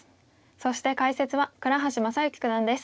そして解説は倉橋正行九段です。